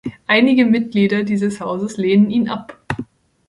Einige Mitglieder dieses Hauses lehnen ihn ab.